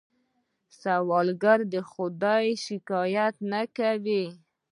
سوالګر له خدایه شکايت نه کوي